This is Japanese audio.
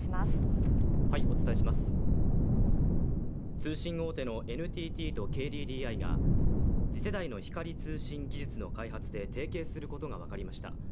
通信大手のＮＴＴとＫＤＤＩが次世代の光通信技術の開発で提携することが分かりました。